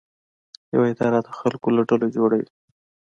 یوه اداره د خلکو له ډلو جوړه وي.